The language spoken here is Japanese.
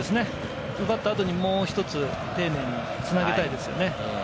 奪った後に、もう１つ丁寧に繋げたいですよね。